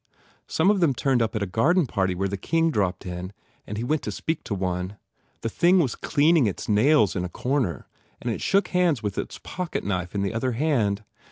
Some of them turned up at a garden party where the King dropped in and he went to speak to one. The thing was cleaning its nails in a corner and it shook hands with its pocket knife in the other hand.